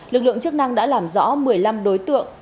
lực lượng chức năng đã làm rõ một mươi năm đối tượng